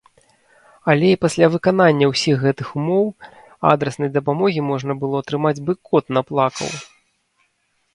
Але і пасля выканання ўсіх гэтых ўмоў адраснай дапамогі можна атрымаць бы кот наплакаў!